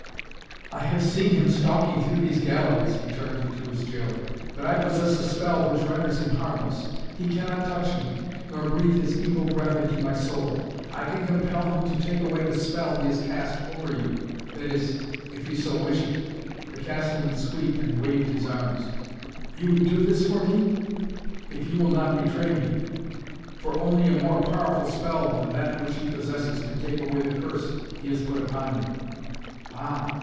"I have seen him stalking through these galleries," he turned to his gaoler. "But I possess a spell which renders him harmless. He cannot touch me nor breathe his evil breath into my soul. I can compel him to take away the spell he has cast over you that is, if you so wish it." The Castellan squeaked and waved his arms. "You would do this for me?" "If you will not betray me. For only a more powerful spell than that which he possesses can take away the curse he has put upon you." "Ah!